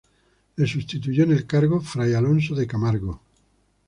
Le sustituyó en el cargo fray Alonso de Camargo.